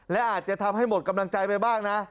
และอาจจะทำให้หมดกำลังใจไปบ้างนะ